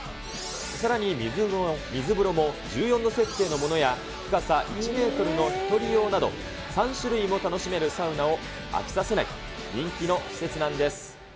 さらに水風呂も１４度設定のものや、深さ１メートルの１人用など、３種類も楽しめるサウナを飽きさせない人気の施設なんです。